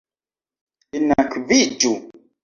Enakviĝu!